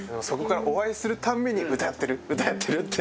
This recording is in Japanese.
お会いするたんびに「歌やってる？歌やってる？」